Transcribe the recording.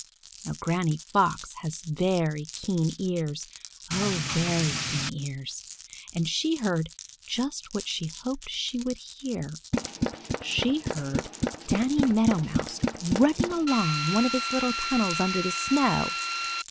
Now Granny Fox has very keen ears, oh, very keen ears, and she heard just what she hoped she would hear. She heard Danny Meadow Mouse running along one of his little tunnels under the snow.